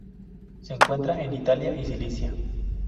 Se encuentra en Italia y Sicilia.